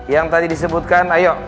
yang tadi disebutkan ayo